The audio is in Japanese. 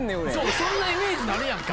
そんなイメージなるやんか。